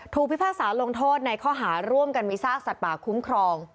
พิพากษาลงโทษในข้อหาร่วมกันมีซากสัตว์ป่าคุ้มครอง